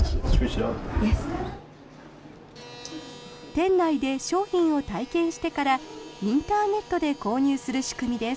店内で商品を体験してからインターネットで購入する仕組みです。